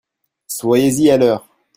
Soyez-y à l'heure !